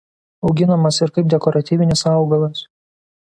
Auginamas ir kaip dekoratyvinis augalas.